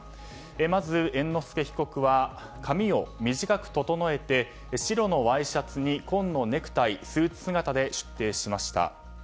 まず、猿之助被告は髪を短く整えて白のワイシャツに紺のネクタイ、スーツ姿で出廷しました。